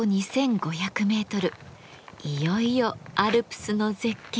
いよいよアルプスの絶景が。